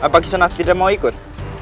pak kisanak tidak mau ikut